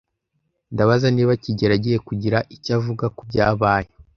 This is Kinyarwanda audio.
Ndabaza niba kigeli agiye kugira icyo avuga kubyabaye.